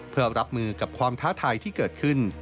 เพื่อรับมือกับความท้าทายที่เกิดขึ้น